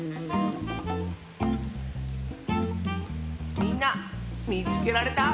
みんなみつけられた？